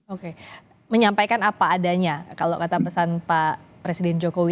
oke menyampaikan apa adanya kalau kata pesan pak presiden jokowi